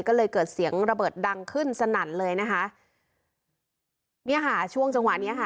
ก็เลยเกิดเสียงระเบิดดังขึ้นสนั่นเลยนะคะเนี่ยค่ะช่วงจังหวะเนี้ยค่ะ